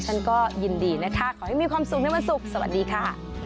ฉันก็ยินดีนะคะขอให้มีความสุขในวันศุกร์สวัสดีค่ะ